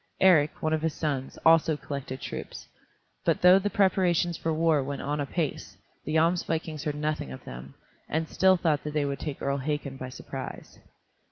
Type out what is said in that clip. Eric one of his sons, also collected troops, but though the preparations for war went on apace, the Jomsvikings heard nothing of them, and still thought that they would take Earl Hakon by surprise.